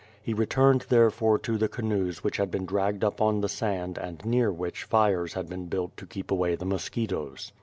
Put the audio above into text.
He returned therefore to the canoes which had been dragged up on the sand and near which, fires had been built to keep away the mosquitoes.